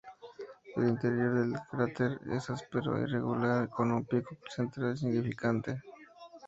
El interior del cráter es áspero e irregular, con un pico central insignificante.